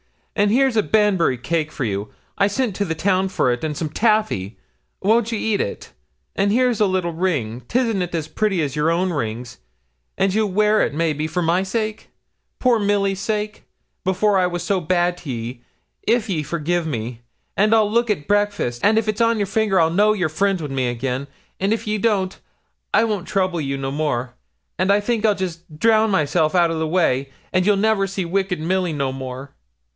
And here's a Banbury cake for you I sent to the town for it, and some taffy won't ye eat it? and here's a little ring 'tisn't as pretty as your own rings; and ye'll wear it, maybe, for my sake poor Milly's sake, before I was so bad to ye if ye forgi' me; and I'll look at breakfast, and if it's on your finger I'll know you're friends wi' me again; and if ye don't, I won't trouble you no more; and I think I'll just drown myself out o' the way, and you'll never see wicked Milly no more.'